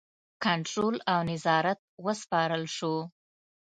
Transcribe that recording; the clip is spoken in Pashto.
کنټرول او نظارت وسپارل شو.